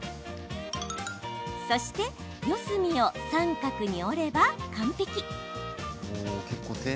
そして四隅を三角に折れば完璧。